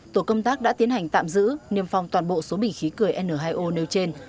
tổ công tác đã tiến hành tạm giữ niêm phòng toàn bộ số bình khí cười n hai o nêu trên